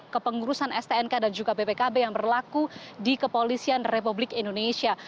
kepengurusan stnk dan juga bpkb yang berlaku di kepolisian republik indonesia